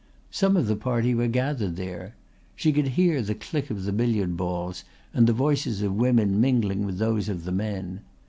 Some of the party were gathered there. She could hear the click of the billiard balls and the voices of women mingling with those of the men.